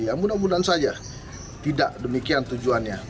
ya mudah mudahan saja tidak demikian tujuannya